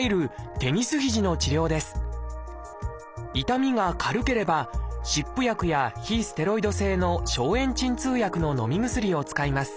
痛みが軽ければ湿布薬や非ステロイド性の消炎鎮痛薬ののみ薬を使います。